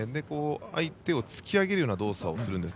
相手を突き上げるような動作をします。